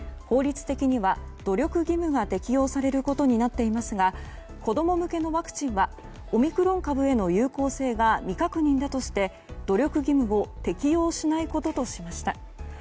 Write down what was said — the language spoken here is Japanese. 法律的には努力義務が適用されることになっていますが子供向けのワクチンはオミクロン株への有効性が未確認だとして努力義務を適用しないこととしました。